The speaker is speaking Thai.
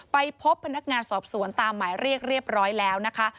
ไปพบพนักงานสอบสวนตามหมายเรียกเรียบร้อยแล้วนะคะ